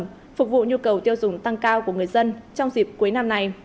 phục vụ nhu cầu tiêu dùng tăng cao của người dân trong dịp cuối năm này